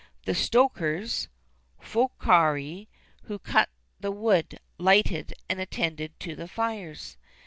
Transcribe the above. [XXXIII 29] The stokers (focarii), who cut the wood, lighted, and attended to the fires.